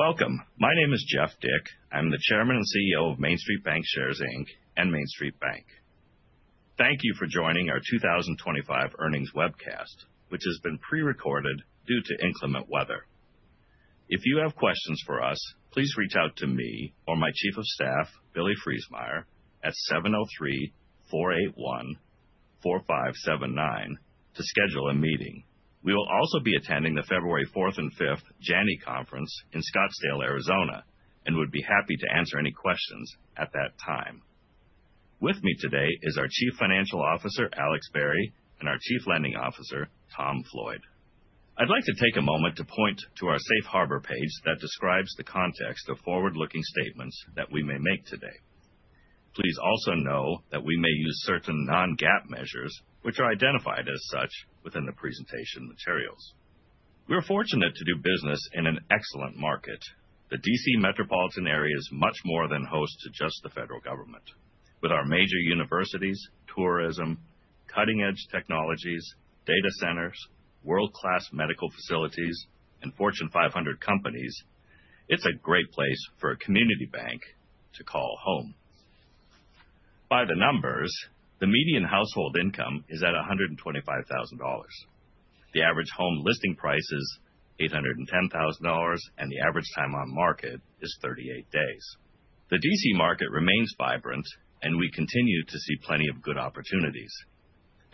Welcome! My name is Jeff Dick. I'm the Chairman and CEO of MainStreet Bancshares, Inc., and MainStreet Bank. Thank you for joining our 2025 earnings webcast, which has been prerecorded due to inclement weather. If you have questions for us, please reach out to me or my Chief of Staff, Billy Freesmeier, at 703-481-4579 to schedule a meeting. We will also be attending the February 4th and 5th Janney conference in Scottsdale, Arizona, and would be happy to answer any questions at that time. With me today is our Chief Financial Officer, Alex Vari, and our Chief Lending Officer, Tom Floyd. I'd like to take a moment to point to our Safe Harbor page that describes the context of forward-looking statements that we may make today. Please also know that we may use certain non-GAAP measures which are identified as such within the presentation materials. We are fortunate to do business in an excellent market. The D.C. metropolitan area is much more than host to just the federal government. With our major universities, tourism, cutting-edge technologies, data centers, world-class medical facilities, and Fortune 500 companies, it's a great place for a community bank to call home. By the numbers, the median household income is $125,000. The average home listing price is $810,000, and the average time on market is 38 days. The D.C. market remains vibrant, and we continue to see plenty of good opportunities.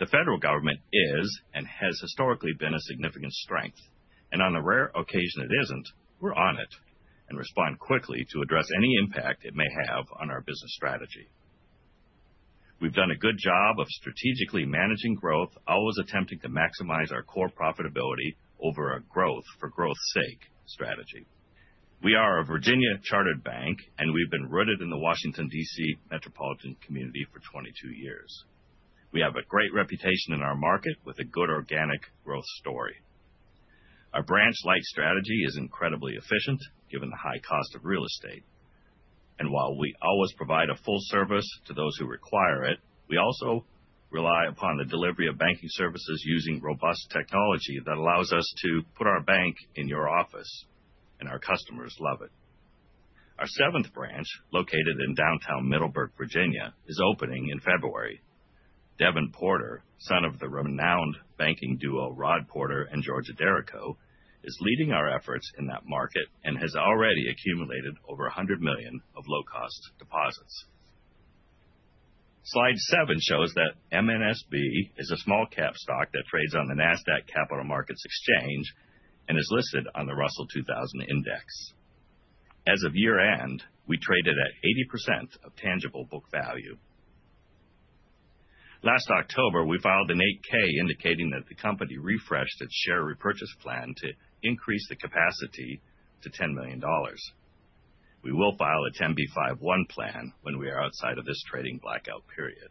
The federal government is, and has historically been, a significant strength, and on the rare occasion, it isn't, we're on it and respond quickly to address any impact it may have on our business strategy. We've done a good job of strategically managing growth, always attempting to maximize our core profitability over a growth for growth's sake strategy. We are a Virginia-chartered bank, and we've been rooted in the Washington, D.C., metropolitan community for 22 years. We have a great reputation in our market with a good organic growth story. Our branch-light strategy is incredibly efficient, given the high cost of real estate. And while we always provide a full service to those who require it, we also rely upon the delivery of banking services using robust technology that allows us to put our bank in your office, and our customers love it. Our 7th branch, located in downtown Middleburg, Virginia, is opening in February. Devon Porter, son of the renowned banking duo, Rod Porter and Georgia Derrico, is leading our efforts in that market and has already accumulated over $100 million of low-cost deposits. Slide 7 shows that MNSB is a small-cap stock that trades on the Nasdaq Capital Market and is listed on the Russell 2000 Index. As of year-end, we traded at 80% of tangible book value. Last October, we filed a Form 8-K, indicating that the company refreshed its share repurchase plan to increase the capacity to $10 million. We will file a Rule 10b5-1 plan when we are outside of this trading blackout period.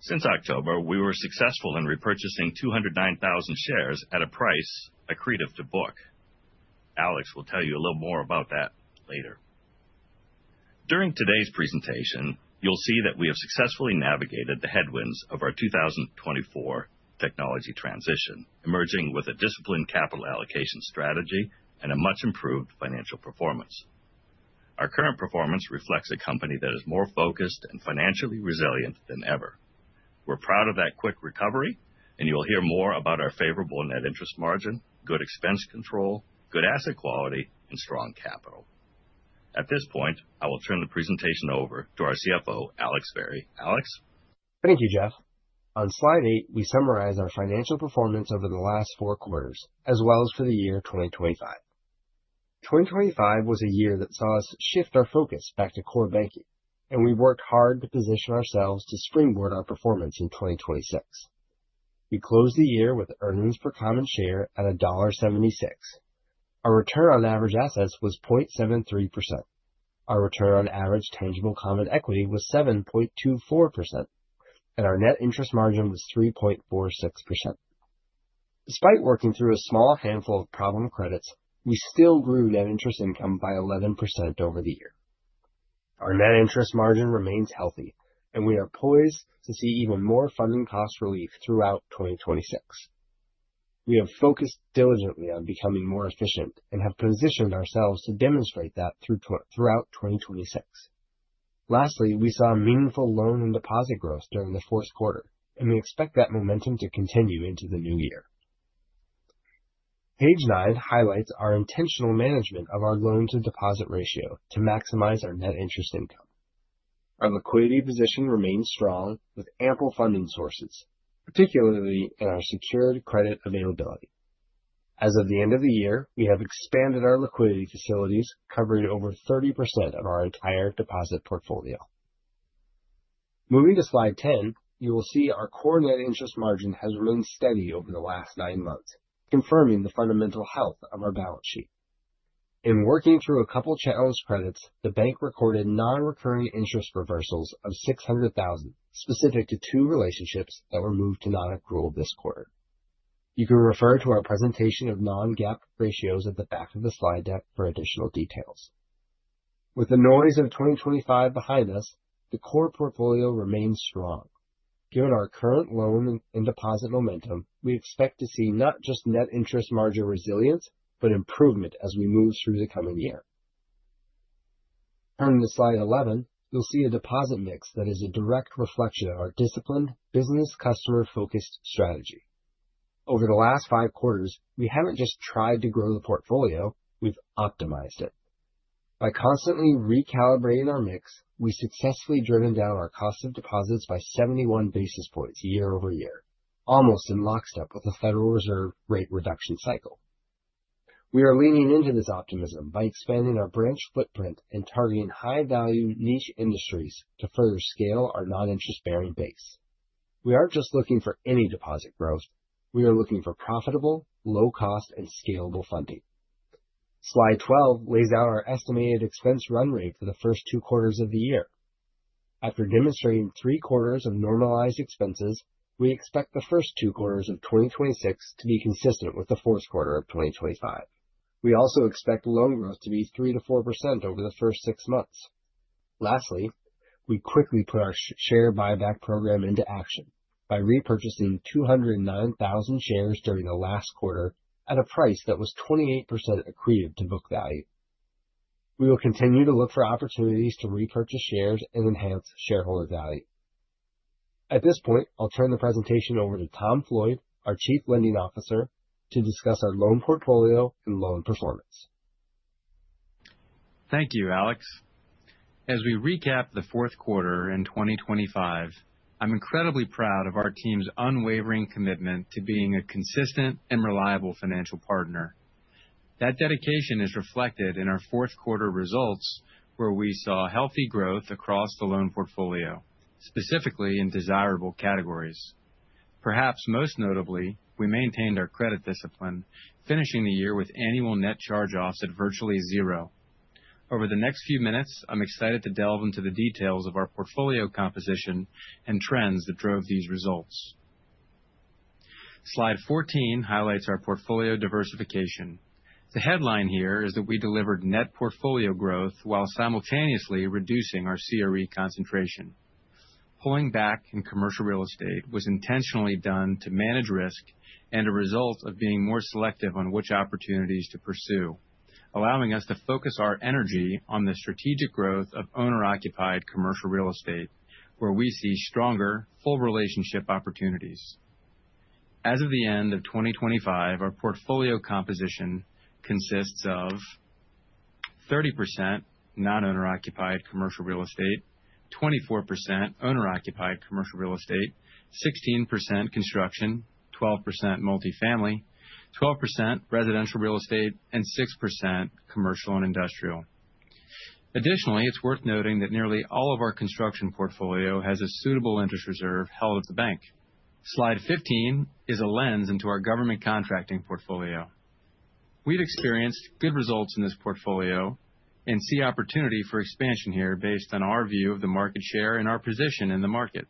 Since October, we were successful in repurchasing 209,000 shares at a price accretive to book value. Alex will tell you a little more about that later. During today's presentation, you'll see that we have successfully navigated the headwinds of our 2024 technology transition, emerging with a disciplined capital allocation strategy and a much improved financial performance. Our current performance reflects a company that is more focused and financially resilient than ever. We're proud of that quick recovery, and you will hear more about our favorable net interest margin, good expense control, good asset quality, and strong capital. At this point, I will turn the presentation over to our CFO, Alex Vari. Alex? Thank you, Jeff. On slide 8, we summarize our financial performance over the last four quarters as well as for the year 2025. 2025 was a year that saw us shift our focus back to core banking, and we worked hard to position ourselves to springboard our performance in 2026. We closed the year with earnings per common share at $1.76. Our return on average assets was 0.73%. Our return on average tangible common equity was 7.24%, and our net interest margin was 3.46%. Despite working through a small handful of problem credits, we still grew net interest income by 11% over the year. Our net interest margin remains healthy, and we are poised to see even more funding cost relief throughout 2026. We have focused diligently on becoming more efficient and have positioned ourselves to demonstrate that throughout 2026. Lastly, we saw a meaningful loan and deposit growth during the fourth quarter, and we expect that momentum to continue into the new year. Page 9 highlights our intentional management of our loan-to-deposit ratio to maximize our net interest income. Our liquidity position remains strong, with ample funding sources, particularly in our secured credit availability. As of the end of the year, we have expanded our liquidity facilities, covering over 30% of our entire deposit portfolio. Moving to slide 10, you will see our core net interest margin has remained steady over the last 9 months, confirming the fundamental health of our balance sheet. In working through a couple challenged credits, the bank recorded non-recurring interest reversals of $600,000, specific to two relationships that were moved to non-accrual this quarter. You can refer to our presentation of non-GAAP ratios at the back of the slide deck for additional details. With the noise of 2025 behind us, the core portfolio remains strong. Given our current loan and deposit momentum, we expect to see not just net interest margin resilience, but improvement as we move through the coming year. Turning to slide 11, you'll see a deposit mix that is a direct reflection of our disciplined business customer-focused strategy. Over the last 5 quarters, we haven't just tried to grow the portfolio, we've optimized it. By constantly recalibrating our mix, we successfully driven down our cost of deposits by 71 basis points year-over-year, almost in lockstep with the Federal Reserve rate reduction cycle. We are leaning into this optimism by expanding our branch footprint and targeting high-value niche industries to further scale our non-interest-bearing base. We aren't just looking for any deposit growth, we are looking for profitable, low cost, and scalable funding. Slide 12 lays out our estimated expense run rate for the first two quarters of the year. After demonstrating three quarters of normalized expenses, we expect the first two quarters of 2026 to be consistent with the fourth quarter of 2025. We also expect loan growth to be 3%-4% over the first six months. Lastly, we quickly put our share buyback program into action by repurchasing 209,000 shares during the last quarter at a price that was 28% accretive to book value. We will continue to look for opportunities to repurchase shares and enhance shareholder value. At this point, I'll turn the presentation over to Tom Floyd, our Chief Lending Officer, to discuss our loan portfolio and loan performance. Thank you, Alex. As we recap the fourth quarter in 2025, I'm incredibly proud of our team's unwavering commitment to being a consistent and reliable financial partner. That dedication is reflected in our fourth quarter results, where we saw healthy growth across the loan portfolio, specifically in desirable categories. Perhaps most notably, we maintained our credit discipline, finishing the year with annual net charge-offs at virtually zero. Over the next few minutes, I'm excited to delve into the details of our portfolio composition and trends that drove these results. Slide 14 highlights our portfolio diversification. The headline here is that we delivered net portfolio growth while simultaneously reducing our CRE concentration. Pulling back in commercial real estate was intentionally done to manage risk and a result of being more selective on which opportunities to pursue, allowing us to focus our energy on the strategic growth of owner-occupied commercial real estate, where we see stronger, full relationship opportunities. As of the end of 2025, our portfolio composition consists of 30% non-owner-occupied commercial real estate, 24% owner-occupied commercial real estate, 16% construction, 12% multifamily, 12% residential real estate, and 6% commercial and industrial. Additionally, it's worth noting that nearly all of our construction portfolio has a suitable interest reserve held at the bank. Slide 15 is a lens into our government contracting portfolio. We've experienced good results in this portfolio and see opportunity for expansion here based on our view of the market share and our position in the market.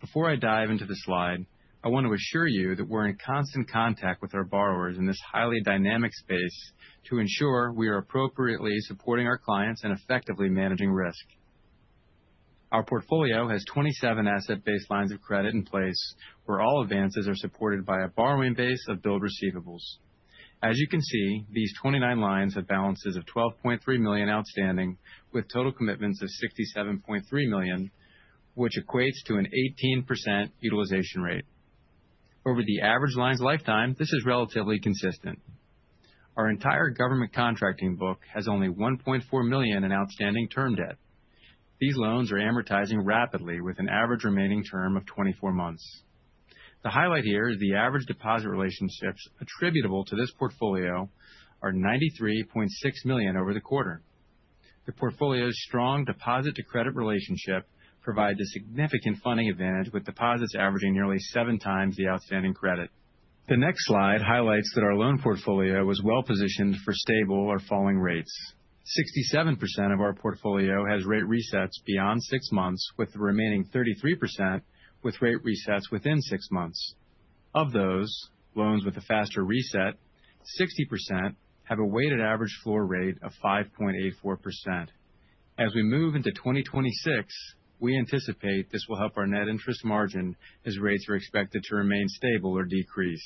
Before I dive into the slide, I want to assure you that we're in constant contact with our borrowers in this highly dynamic space to ensure we are appropriately supporting our clients and effectively managing risk. Our portfolio has 27 asset-based lines of credit in place, where all advances are supported by a borrowing base of billed receivables. As you can see, these 29 lines have balances of $12.3 million outstanding, with total commitments of $67.3 million, which equates to an 18% utilization rate. Over the average line's lifetime, this is relatively consistent. Our entire government contracting book has only $1.4 million in outstanding term debt. These loans are amortizing rapidly, with an average remaining term of 24 months. The highlight here is the average deposit relationships attributable to this portfolio are $93.6 million over the quarter. The portfolio's strong deposit-to-credit relationship provides a significant funding advantage, with deposits averaging nearly seven times the outstanding credit. The next slide highlights that our loan portfolio was well positioned for stable or falling rates. 67% of our portfolio has rate resets beyond six months, with the remaining 33% with rate resets within six months. Of those loans with a faster reset, 60% have a weighted average floor rate of 5.84%. As we move into 2026, we anticipate this will help our net interest margin as rates are expected to remain stable or decrease.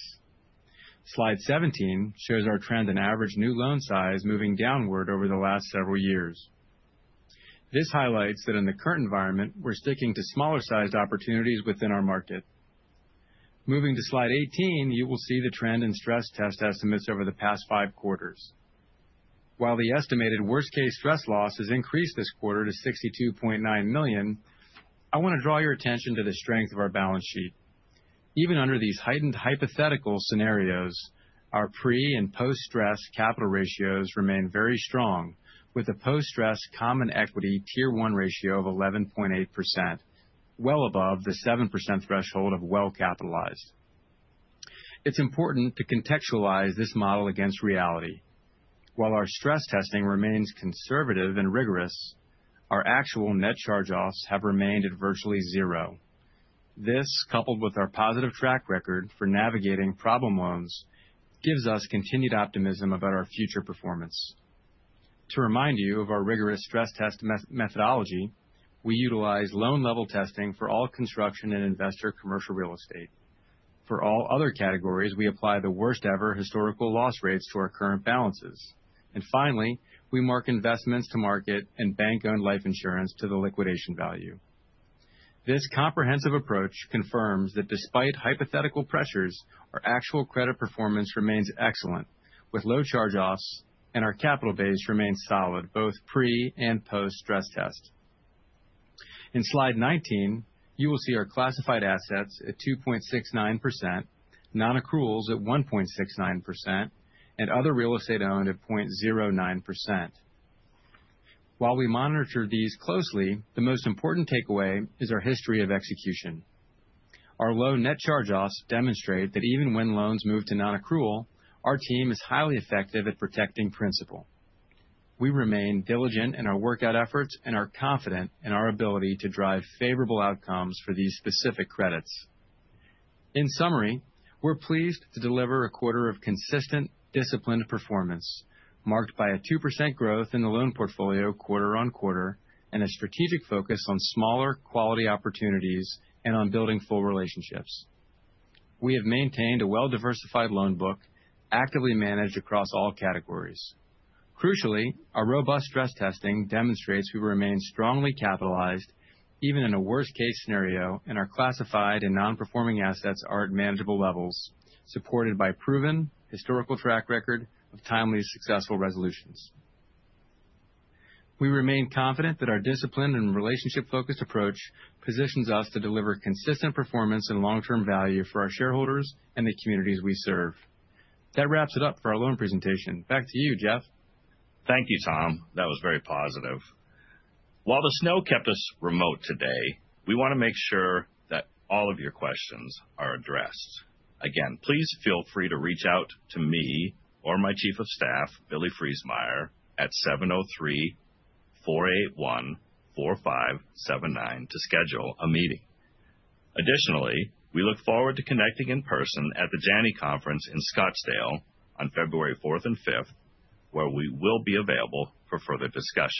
Slide 17 shows our trend in average new loan size moving downward over the last several years. This highlights that in the current environment, we're sticking to smaller-sized opportunities within our market. Moving to slide 18, you will see the trend in stress test estimates over the past five quarters. While the estimated worst-case stress loss has increased this quarter to $62.9 million, I want to draw your attention to the strength of our balance sheet. Even under these heightened hypothetical scenarios, our pre- and post-stress capital ratios remain very strong, with a post-stress Common Equity Tier 1 ratio of 11.8%, well above the 7% threshold of well-capitalized. It's important to contextualize this model against reality. While our stress testing remains conservative and rigorous, our actual net charge-offs have remained at virtually zero. This, coupled with our positive track record for navigating problem loans, gives us continued optimism about our future performance. To remind you of our rigorous stress test methodology, we utilize loan level testing for all construction and investor commercial real estate. For all other categories, we apply the worst ever historical loss rates to our current balances. And finally, we mark investments to market and bank-owned life insurance to the liquidation value. This comprehensive approach confirms that despite hypothetical pressures, our actual credit performance remains excellent, with low charge-offs, and our capital base remains solid, both pre and post-stress test. In slide 19, you will see our classified assets at 2.69%, nonaccruals at 1.69%, and other real estate owned at 0.09%. While we monitor these closely, the most important takeaway is our history of execution. Our low net charge-offs demonstrate that even when loans move to nonaccrual, our team is highly effective at protecting principal. We remain diligent in our workout efforts and are confident in our ability to drive favorable outcomes for these specific credits. In summary, we're pleased to deliver a quarter of consistent, disciplined performance, marked by a 2% growth in the loan portfolio quarter-over-quarter, and a strategic focus on smaller quality opportunities and on building full relationships. We have maintained a well-diversified loan book, actively managed across all categories. Crucially, our robust stress testing demonstrates we remain strongly capitalized, even in a worst-case scenario, and our classified and nonperforming assets are at manageable levels, supported by proven historical track record of timely, successful resolutions. We remain confident that our disciplined and relationship-focused approach positions us to deliver consistent performance and long-term value for our shareholders and the communities we serve. That wraps it up for our loan presentation. Back to you, Jeff. Thank you, Tom. That was very positive. While the snow kept us remote today, we want to make sure that all of your questions are addressed. Again, please feel free to reach out to me or my Chief of Staff, Billy Freesmeier, at 703-481-4579 to schedule a meeting. Additionally, we look forward to connecting in person at the Janney Conference in Scottsdale on February fourth and fifth, where we will be available for further discussion.